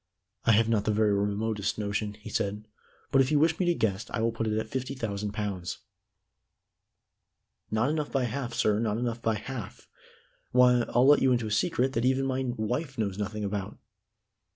"I have not the very remotest notion," he said. "But if you wish me to guess, I will put it at fifty thousand pounds." "Not enough by half, sir not enough by half. Why, I'll let you into a secret that even my wife knows nothing about."